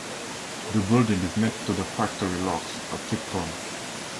The building is next to the Factory Locks at Tipton.